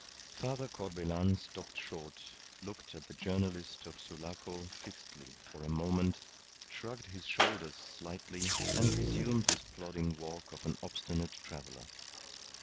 Father Corbelan stopped short, looked at the journalist of Sulaco fixedly for a moment, shrugged his shoulders slightly, and resumed his plodding walk of an obstinate traveller.